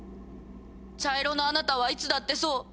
茶色のあなたはいつだってそう。